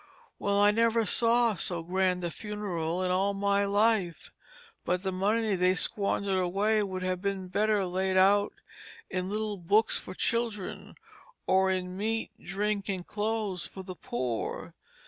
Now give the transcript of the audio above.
"Well, I never saw so grand a funeral in all my life; but the money they squandered away would have been better laid out in little books for children, or in meat, drink, and clothes for the poor.